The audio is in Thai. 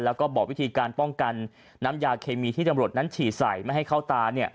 แล้วก็บอกวิธีการป้องกันน้ำยาเคมีที่ตำรวจนั้นฉี่ใส่ไม่ให้เข้าตา